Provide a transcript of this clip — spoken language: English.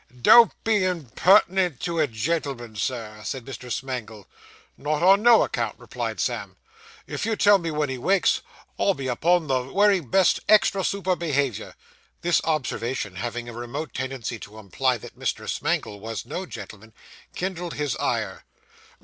'Don't be impertinent to a gentleman, Sir,' said Mr. Smangle. 'Not on no account,' replied Sam. 'If you'll tell me wen he wakes, I'll be upon the wery best extra super behaviour!' This observation, having a remote tendency to imply that Mr. Smangle was no gentleman, kindled his ire.